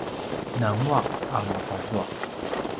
nangua’ a matazua